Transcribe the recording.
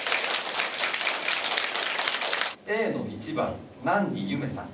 Ａの１番南里侑明さん。